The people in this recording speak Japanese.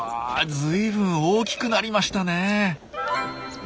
ずいぶん大きくなりましたね。